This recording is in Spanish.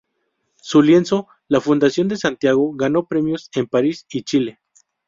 Su lienzo "La Fundación de Santiago" ganó premios en París y Chile.